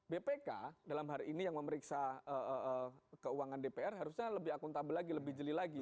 bpk dalam hari ini yang memeriksa keuangan dpr harusnya lebih akuntabel lagi lebih jeli lagi